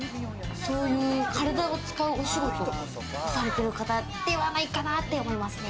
そういう体を使うお仕事をされてる方ではないかなって思いますね。